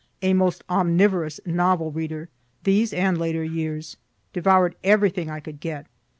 A most omnivorous novel reader, these and later years, devour'd everything I could get.